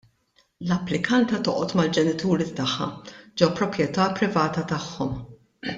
L-applikanta toqgħod mal-ġenituri tagħha ġo proprjetà privata tagħhom.